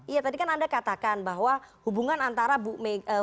iya tadi kan anda katakan bahwa hubungan antara bu megawati